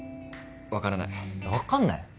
分からない分かんない？